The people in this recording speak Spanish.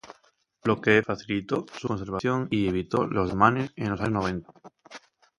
Lo que facilitó su conservación y evitó los desmanes en los años noventa.